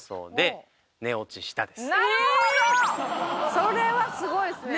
それはすごいっすね。